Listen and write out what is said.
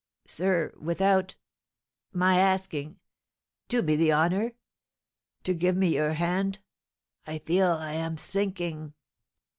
Sir, without my asking do me the honour to give me your hand I feel I am sinking."